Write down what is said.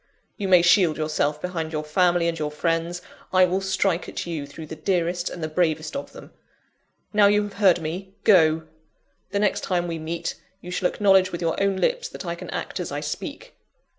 You may shield yourself behind your family and your friends I will strike at you through the dearest and the bravest of them! Now you have heard me, go! The next time we meet, you shall acknowledge with your own lips that I can act as I speak.